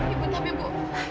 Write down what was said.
ibu tapi ibu